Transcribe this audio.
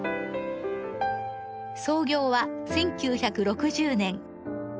創業は１９６０年。